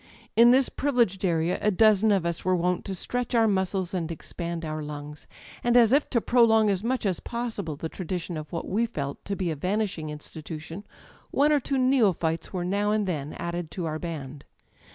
In this privileged area a dozen of us were wont to stretch our muscles and expand our l^^5 ] Digitized by LjOOQ IC THE EYES lungs; and, as if to prolong as much as possible the tradition of what we felt to be a vanishing institution, one or two neophytes were now and then added to our band.